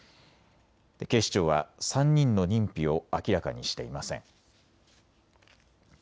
警視庁は３人の認否を明らかにしていません。